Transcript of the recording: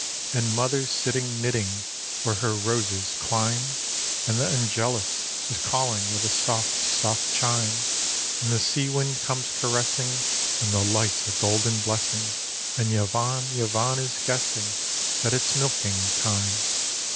And mother's sitting knitting where her roses climb, And the angelus is calling with a soft, soft chime, And the sea wind comes caressing, and the light's a golden blessing, And Yvonne, Yvonne is guessing that it's milking time.